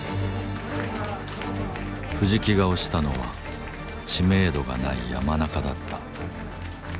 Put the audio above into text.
藤木が推したのは知名度がない山中だった。